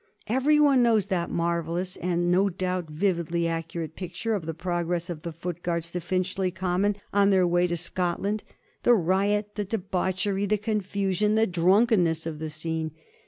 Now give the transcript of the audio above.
Every one knows that marvellous and no doubt vividly accurate picture of the progress of the foot guards to Finchley Common on their way to 232 A HISTORY OF THE FOUR GEORGES. ch.xxzti. Scotland ; the riot, the debauchery, the confusion, the drunkenness of the scene.